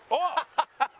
ハハハハ！